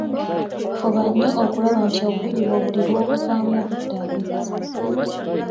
Fuba nnyo okulaba nti obuliri bwo buli lwobuvaamu obuddaabiriza.